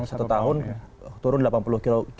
satu tahun turun delapan puluh kg